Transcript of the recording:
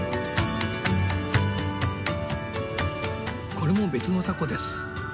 これも別のタコです。